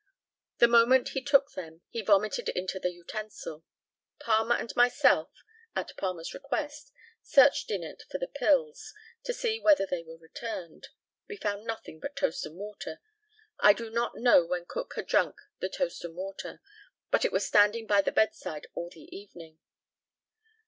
The moment he took them he vomited into the utensil. Palmer and myself (at Palmer's request) searched in it for the pills, to see whether they were returned. We found nothing but toast and water. I do not know when Cook had drank the toast and water, but it was standing by the bedside all the evening.